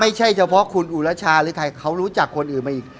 ไม่ใช่เฉพาะคุณอุรชาหรือใครเขารู้จักคนอื่นมาอีก